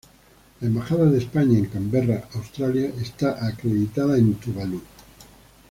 La Embajada de España en Canberra, Australia, está acreditada en Tuvalu.